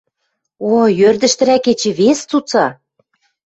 Ой, ӧрдӹжтӹрӓк эче вес цуца!